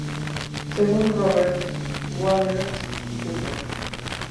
Según Robert H. Waterman, Jr.